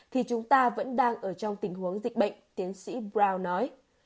thì chúng ta vẫn đang ở trong tình huống dịch bệnh tiến sĩ brow nói